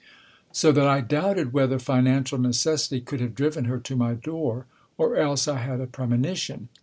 So that I doubted whether financial necessity could have driven her to my door. Or else I had a premonition.